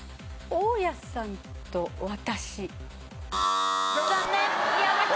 『大家さんと僕』。